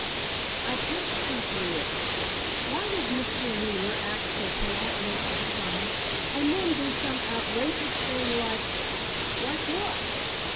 "I can't see through it. Why does Mr. Wheeler act so polite most of the time, and then do some outrageous thing, like——" "Like what?"